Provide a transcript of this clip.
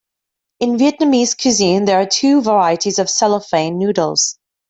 In Vietnamese cuisine, there are two varieties of cellophane noodles.